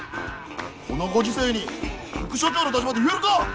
このご時世に副署長の立場で言えるか！